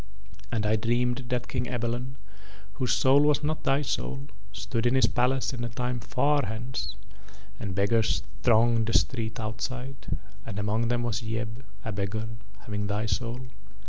And I dreamed that King Ebalon, whose soul was not thy soul, stood in his palace in a time far hence, and beggars thronged the street outside, and among them was Yeb, a beggar, having thy soul.